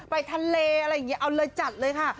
ไปทะเลอะไรอย่างนี้เอาเลยจัดเลยค่ะ